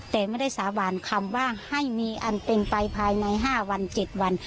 แต่ไม่ได้สาบานคำว่าให้มีอันเป็นไปภายใน๕วัน๗วัน